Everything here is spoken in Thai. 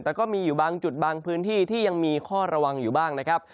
แต่ก็มีอยู่บางจุดบางพื้นที่ที่ยังมีข้อระวังอยู่บ้างนะครับ